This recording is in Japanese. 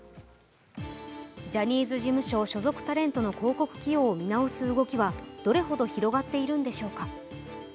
ジャニーズ事務所所属タレントの広告起用を見直す動きは、どれほど広がっているのでしょうか。